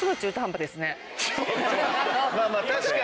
まあまあ確かに。